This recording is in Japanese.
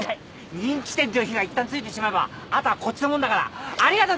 人気店という火がいったんついてしまえば後はこっちのもんだから。ありがとね！